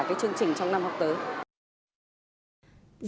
giáo viên chỉ là người chốt kiến thức đúng